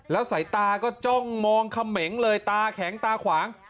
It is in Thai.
แล้วสายตาก็จ้องมองเขมงเลยตาแข็งตาขวาง